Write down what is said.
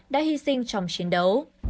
đã hy sinh trong chiến đấu